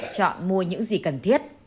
chọn mua những gì cần thiết